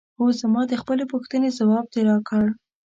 هو زما د خپلې پوښتنې ځواب دې راکړ؟